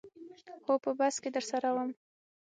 هو په بس کې درسره وم.